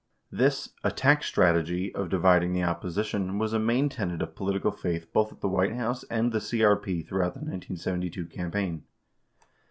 96 This "attack strategy" of dividing the opposition was a main tenet of political faith both at the White House and the CRP throughout the 1972 campaign.